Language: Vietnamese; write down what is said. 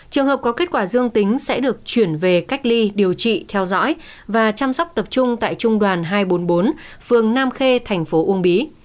trường hợp có kết quả dương tính sẽ được chuyển về cách ly điều trị theo dõi và chăm sóc tập trung tại trung đoàn hai trăm bốn mươi bốn phường nam khê thành phố uông bí